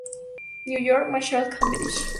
New York: Marshall Cavendish.